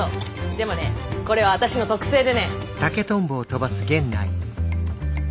でもねこれは私の特製でね。